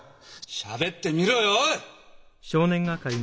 しゃべってみろよおい！